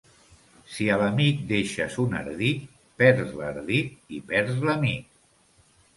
Si a l'amic deixes un ardit, perds l'ardit i perds l'amic.